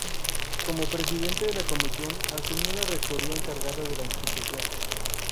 Como presidente de la comisión asumió la rectoría encargada de la institución.